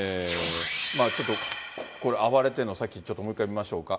ちょっとこれ、暴れてるの、さっきちょっと、もう一回見ましょうか。